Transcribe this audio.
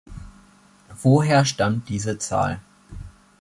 Woher stammt diese Zahl?